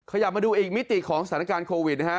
ขยับมาดูอีกมิติของสถานการณ์โควิดนะฮะ